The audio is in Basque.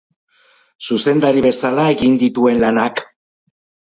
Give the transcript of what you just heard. Zuzendari bezala egin dituen lanak.